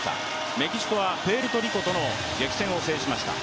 メキシコはプエルトリコとの激戦を制しました。